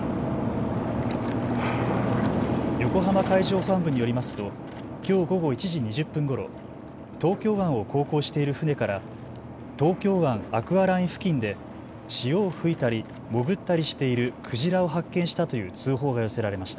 横浜海上保安部によりますときょう午後１時２０分ごろ、東京湾を航行している船から東京湾アクアライン付近で潮を吹いたり潜ったりしているクジラを発見したという通報が寄せられました。